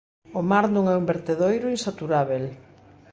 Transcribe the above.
O mar non é un vertedoiro insaturábel.